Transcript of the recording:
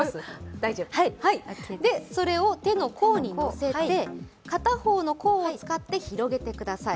それ手の甲にのせて片方の甲を使って広げてください。